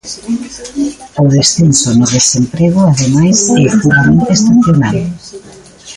O descenso no desemprego, ademais, é puramente estacional.